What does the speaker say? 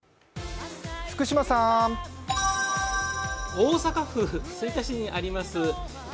大阪府吹田市にあります